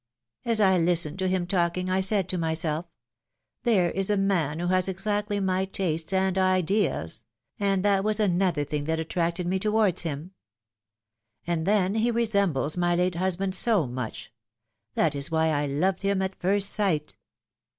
As I listened to him talking I said to myself : There is a man who has exactly my tastes and ideas — and that was another thing that attracted me towards him. And then he resembles my late husband so much. That is why I loved him at first sight!